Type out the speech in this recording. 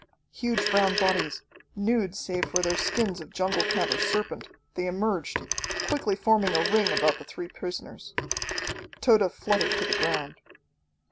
Huge brown bodies, nude save for their skins of jungle cat or serpent, they emerged, quickly forming a ring about the three prisoners. Tode fluttered to the ground.